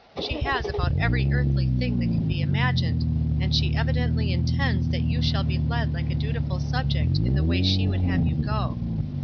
She has about every earthly thing that can be imagined, 28 WISE AXD OTHERWISE. and she evidently intends that you shall be led like a dutiful subject in the way she would have you go.